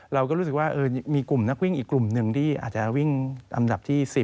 เราก็รู้สึกว่ามีกลุ่มนักวิ่งอีกกลุ่มหนึ่งที่อาจจะวิ่งอันดับที่๔